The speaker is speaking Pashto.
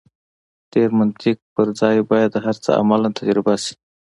ډېر منطق پر ځای باید هر څه عملاً تجربه شي.